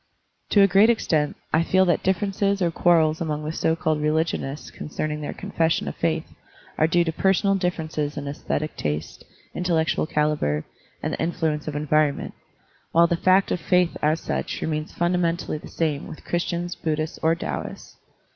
To a great extent, I feel that differences or quarrels among the so called religionists concerning their con fession of faith are due to personal differences in esthetic taste, intellectual calibre, and the influ ence of environment, while the fact of faith as such remains fundamentally the same with Christians, Buddhists, or Taoists.